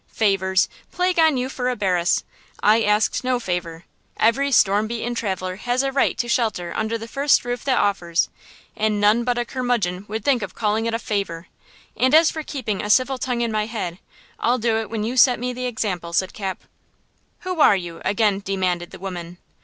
"Favors! Plague on you for a bearess! I asked no favor! Every storm beaten traveler has a right to shelter under the first roof that offers, and none but a curmudgeon would think of calling it a favor! And as for keeping a civil tongue in my head, I'll do it when you set me the example!" said Cap. "Who are you?" again demanded the woman.